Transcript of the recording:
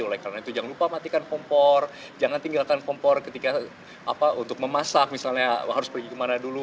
oleh karena itu jangan lupa matikan kompor jangan tinggalkan kompor ketika untuk memasak misalnya harus pergi kemana dulu